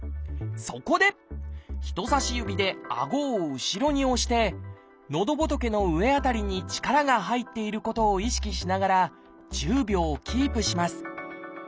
そこで人さし指であごを後ろに押してのどぼとけの上辺りに力が入っていることを意識しながら１０秒キープします。